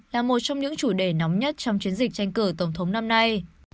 là một trong những chủ đề nóng nhất trong chiến dịch tranh cử tổng thống năm nay